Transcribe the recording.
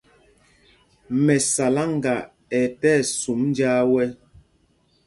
Mɛsáláŋga ɛ tí ɛsum njāā wɛ̄.